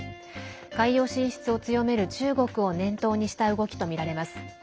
海洋進出を強める中国を念頭にした動きとみられます。